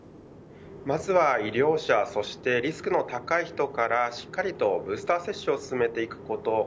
まずは医療者そしてリスクの高い人からしっかりとブースター接種を進めていくこと